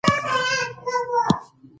پوهه د سوله ییزو اړیکو بنسټ دی.